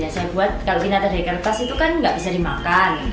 saya buat karantina dari kertas itu kan nggak bisa dimakan